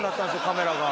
カメラが。